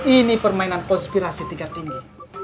ini permainan konspirasi tingkat tinggi